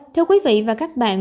thưa quý vị và các bạn